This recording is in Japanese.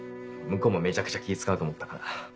向こうもめちゃくちゃ気ぃ使うと思ったから。